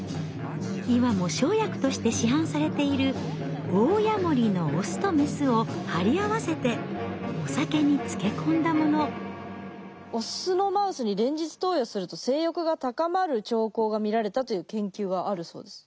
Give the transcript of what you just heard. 今も生薬として市販されているオスのマウスに連日投与すると性欲が高まる兆候が見られたという研究があるそうです。